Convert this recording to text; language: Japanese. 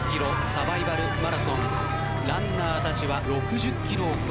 サバイバルマラソンランナーたちは６０ｋｍを走破しました。